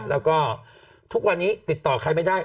แล้วก็ทุกวันนี้ติดต่อใครไม่ได้